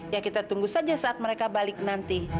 ya kita tunggu saja saat mereka balik nanti